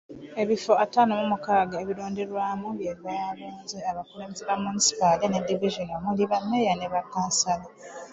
Ebifo ataano mu mukaaga ebironderwamu bye byalonze abakulembeze ba Munisipaali ne divizoni omuli bammeeya ne bakkansala.